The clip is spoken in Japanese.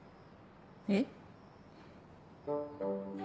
えっ？